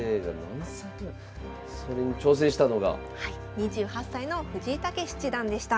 ２８歳の藤井猛七段でした。